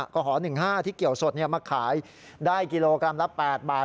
ก็หอ๑๕ที่เกี่ยวสดมาขายได้กิโลกรัมละ๘บาท